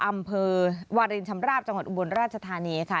อำเภอวารินชำราบจังหวัดอุบลราชธานีค่ะ